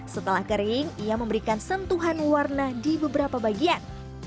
setelah kering ia memberikan sentuhan warna di beberapa bagian